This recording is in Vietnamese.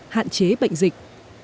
hạn chế bệnh dịch